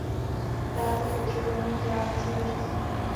Dále pak potřebujeme vzdělávací zařízení.